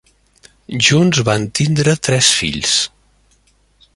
Junts van tindre tres fills.